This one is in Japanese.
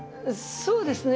そうですね。